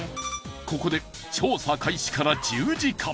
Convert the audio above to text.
ここで調査開始から１０時間